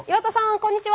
こんにちは！